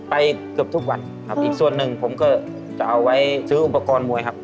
เกือบทุกวันครับอีกส่วนหนึ่งผมก็จะเอาไว้ซื้ออุปกรณ์มวยครับ